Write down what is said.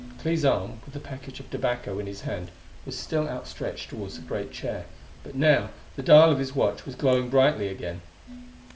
Clee's arm, with the package of tobacco in his hand, was still outstretched toward the great chair, but now the dial of his watch was glowing brightly again.